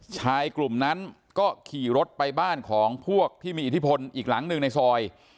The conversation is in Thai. ชายกลุ่มนั้นก็ขี่รถไปบ้านของพวกที่มีอิทธิพลอีกหลังหนึ่งในซอย